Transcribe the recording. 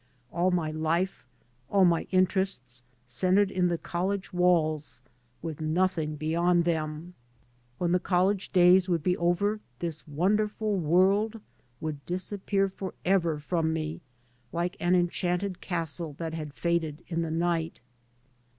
All my life, all my interests, centred in the college walls, with nothing beyond them. When the college days would be over this wonderful world would disappear forever from me like an enchanted castle that had faded in the night.